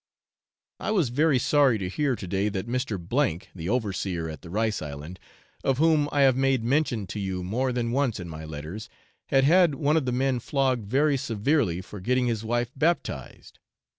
I was very sorry to hear to day, that Mr. O , the overseer at the rice island, of whom I have made mention to you more than once in my letters, had had one of the men flogged very severely for getting his wife baptised.